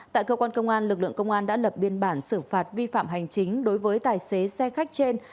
tại cơ quan công an lực lượng công an đã lập biên bản xử phạt vi phạm hành chính đối với tài xế xe khách trên